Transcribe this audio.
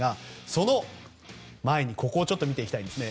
その前にここを見ていきたいですね。